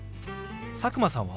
佐久間さんは？